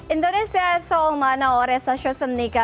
indonesia soal mana orang sosial semenika